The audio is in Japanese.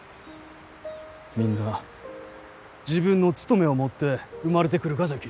みんな自分の務めを持って生まれてくるがじゃき。